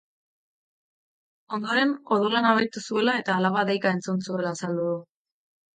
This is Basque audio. Ondoren odola nabaritu zuela eta alaba deika entzun zuela azaldu du.